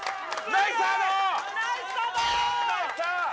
・ナイスサー！